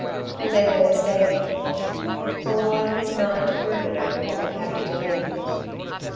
And then there was Davey. For a while his mind brooded over what had happened to him.